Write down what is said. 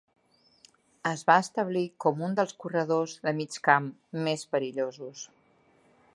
Es va establir com un dels corredors de mig camp més perillosos.